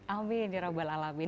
amin ya rabbal alamin